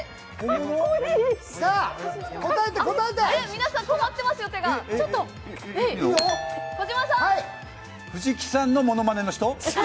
皆さん、手が止まってますよ藤木さんのものまねの人？